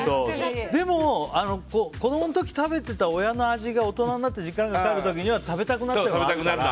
でも、子供の時に食べてた親の味が大人になって実家に帰った時には食べたくなる。